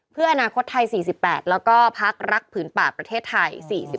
เพื่ออนาคตไทย๔๘แล้วก็พักรักผืนป่าประเทศไทย